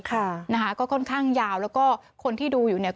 ค่ะนะคะก็ค่อนข้างยาวแล้วก็คนที่ดูอยู่เนี่ย